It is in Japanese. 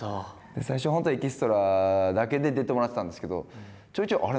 最初本当にエキストラだけで出てもらってたんですけどちょいちょいあれ？